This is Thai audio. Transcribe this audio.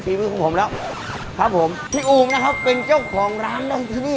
วิทของผมแล้วครับผมพี่อูงนะครับเป็นเจ้าของร้านนั่งที่นี่